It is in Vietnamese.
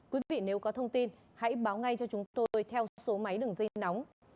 quý vị nếu có thông tin hãy báo ngay cho chúng tôi theo số máy đường dây nóng